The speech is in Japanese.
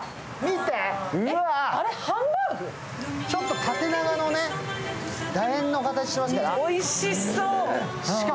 ちょっと縦長の楕円の形してますか。